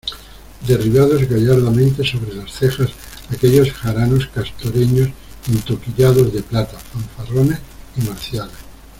derribados gallardamente sobre las cejas aquellos jaranos castoreños entoquillados de plata, fanfarrones y marciales.